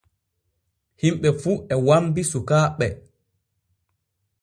Himɓe fu e wambi sukaaɓe.